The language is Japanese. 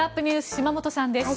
島本さんです。